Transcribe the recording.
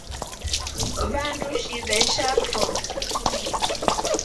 Vandu shivesha foo.